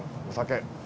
お酒。